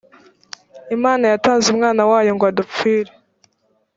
imana yatanze umwana wayo ngo adupfire.